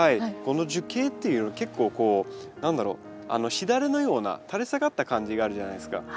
この樹形っていうの結構こう何だろうしだれのような垂れ下がった感じがあるじゃないですか。